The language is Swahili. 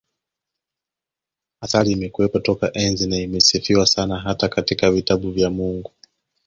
Asali imekuwepo toka enzi na imesifiwa sana hata katika vitabu vya Mungu